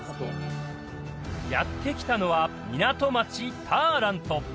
やって来たのは港町ターラント